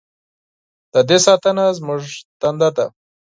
د دې ساتنه زموږ دنده ده؟